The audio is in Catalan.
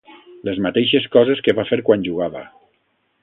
Les mateixes coses que va fer quan jugava.